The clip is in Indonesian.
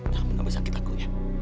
jangan menambah sakit aku ya